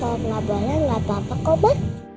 kau mau ngelaburnya enggak apa apa kau ma